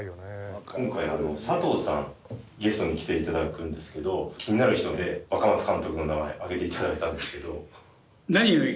今回佐藤さんゲストに来ていただくんですけど気になる人で若松監督の名前あげていただいたんですけど。